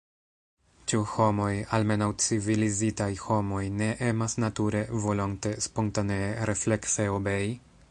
Ĉu homoj – almenaŭ, civilizitaj homoj – ne emas nature, volonte, spontanee, reflekse obei?